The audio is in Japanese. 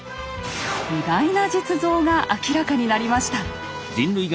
意外な実像が明らかになりました。